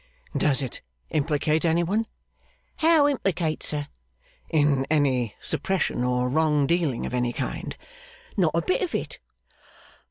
'Does it implicate any one?' 'How implicate, sir?' 'In any suppression or wrong dealing of any kind?' 'Not a bit of it.